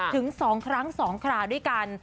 ถึงสองครั้งสองคราด้วยกัน